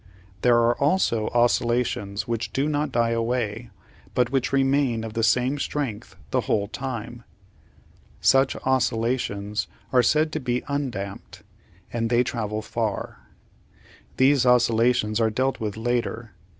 There are also oscillations which do not die away, but which remain of the same strength the whole time. Such oscillations are said to be undamped, and they travel far. These oscillations are dealt with later.